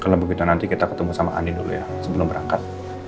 kalau begitu nanti kita ketemu sama ani dulu ya sebelum berangkat